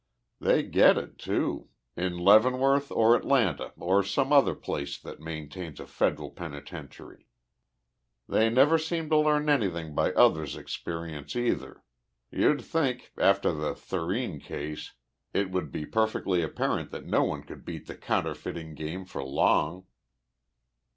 They get it, too, in Leavenworth or Atlanta or some other place that maintains a federal penitentiary. "They never seem to learn anything by others' experience, either. You'd think, after the Thurene case, it would be perfectly apparent that no one could beat the counterfeiting game for long."